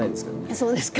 そうですか。